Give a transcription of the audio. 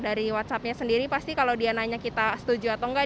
dari whatsappnya sendiri pasti kalau dia nanya kita setuju atau enggak